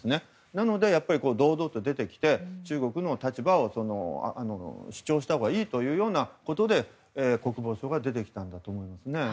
なので、堂々と出てきて中国の立場を主張したほうがいいということで国防相が出てきたんだと思うんです。